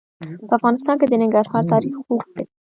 په افغانستان کې د ننګرهار تاریخ اوږد دی.